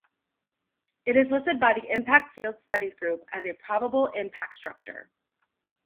It is listed by the Impact Field Studies Group as a "probable" impact structure.